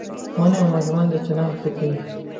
ښوونې د ماشوم چلند ښه کوي.